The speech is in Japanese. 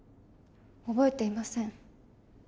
覚えていません。